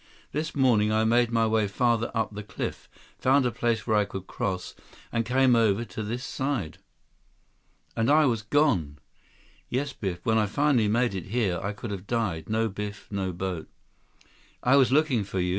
This morning, I made my way farther up the cliff, found a place where I could cross, and came over to this side." "And I was gone." "Yes, Biff. When I finally made it here, I could have died. No Biff. No boat." "I was looking for you.